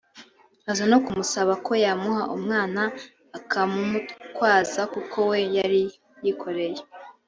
aza no kumusaba ko yamuha umwana akamumutwaza kuko we yari yikoreye